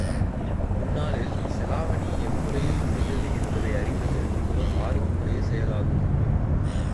முன்னாளில் செலாவணி எம்முறையில் இருந்தது என்பதை அறிவது ஒர் ஆர்வமுடைய செயலாகும்.